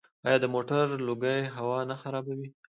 آیا د موټرو لوګی هوا نه خرابوي؟